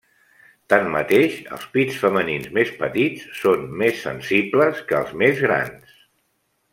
Tanmateix, els pits femenins més petits són més sensibles que els més grans.